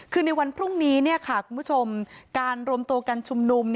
คือในวันพรุ่งนี้เนี่ยค่ะคุณผู้ชมการรวมตัวกันชุมนุม